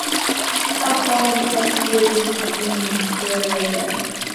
Her home constituency is in Dresden.